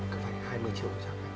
có phải hai mươi triệu